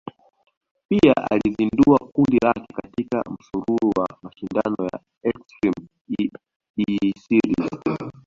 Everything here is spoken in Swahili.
Pia alizindua kundi lake katika msururu wa mashindano ya Extreme E series